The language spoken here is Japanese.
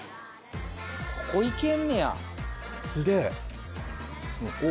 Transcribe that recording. ここ行けんねや。